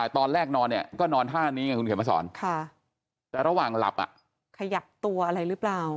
ตอนแรกนอนเนี่ยก็นอนท่านี้ไงคุณเขียนมาสอนแต่ระหว่างหลับขยับตัวอะไรหรือเปล่า